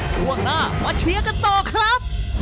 ช่วงหน้ามาเชียร์กันต่อครับ